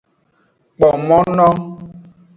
Kpo mo no.